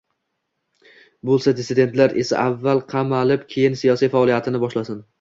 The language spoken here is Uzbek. bo‘lsa, dissidentlar esa avval qamalib keyin siyosiy faoliyatini boshlashi